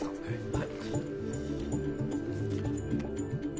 はい。